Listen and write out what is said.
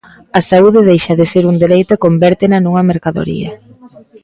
A saúde deixa de ser un dereito e convértena nunha mercadoría.